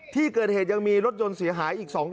ที่เกิดเหตุยังมีรถยนต์เสียหายอีก๒คัน